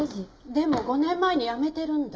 でも５年前に辞めてるんだ。